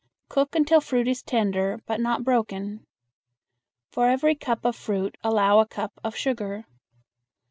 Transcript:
Cook until fruit is tender, but not broken. For every cup of fruit allow a cup of sugar.